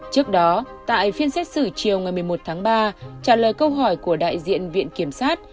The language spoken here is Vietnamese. trước đó tại phiên xét xử chiều ngày một mươi một tháng ba trả lời câu hỏi của đại diện viện kiểm sát